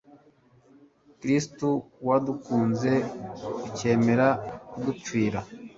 kristu wadukunze ukemera kudupfira